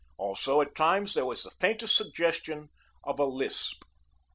Also at times there was the faintest suggestion of a lisp.